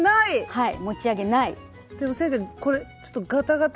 はい。